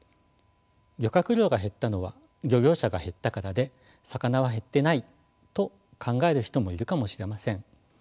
漁獲量が減ったのは漁業者が減ったからで魚は減ってないと考える人もいるかもしれません。